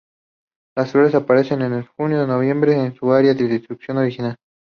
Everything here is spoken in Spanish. Las flores aparecen de junio a noviembre en su área de distribución original.